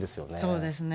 そうですね。